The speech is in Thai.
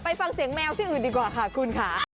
ฟังเสียงแมวที่อื่นดีกว่าค่ะคุณค่ะ